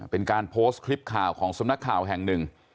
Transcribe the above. เป็นการโพสต์คลิปข่าวของสำนักข่าวแห่งหนึ่ง